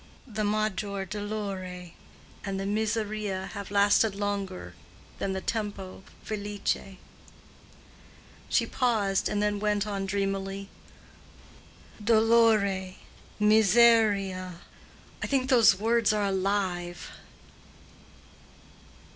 The maggior dolore and the miseria have lasted longer than the tempo felice." She paused and then went on dreamily,—"Dolore—miseria—I think those words are alive."